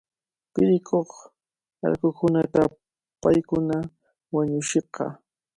Purikuq allqukunata paykuna wañuchishqa.